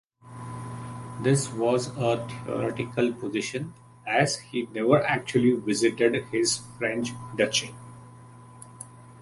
This was a theoretical position, as he never actually visited his French duchy.